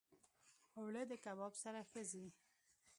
اوړه د کباب سره ښه ځي